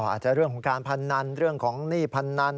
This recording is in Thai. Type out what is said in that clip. อาจจะเรื่องของการพนันเรื่องของหนี้พนัน